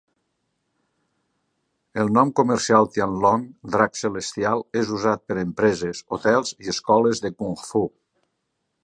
El nom comercial Tianlong "Drac Celestial" és usat per empreses, hotels i escoles de kungfu.